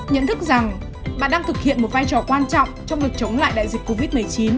nhận thức rằng bà đang thực hiện một vai trò quan trọng trong việc chống lại đại dịch covid một mươi chín